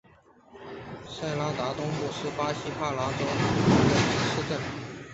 塞拉雷东达是巴西帕拉伊巴州的一个市镇。